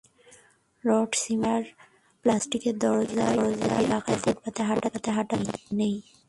Rod, cement, tyre, প্লাস্টিকের দরজা ইত্যাদি রাখায় ফুটপাতে হাঁটার জায়গা নেই।